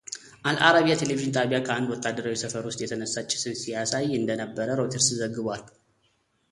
አልአረቢያ ቴሌቪዥን ጣቢያም ከአንድ ወታደራዊ ሰፈር ውስጥ የተነሳ ጭስን ሲያሳይ እንደነበረ ሮይተርስ ዘግቧል።